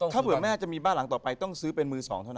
ถ้าเผื่อแม่จะมีบ้านหลังต่อไปต้องซื้อเป็นมือสองเท่านั้น